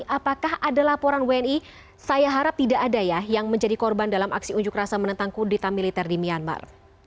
apakah ada laporan wni saya harap tidak ada ya yang menjadi korban dalam aksi unjuk rasa menentang kudita militer di myanmar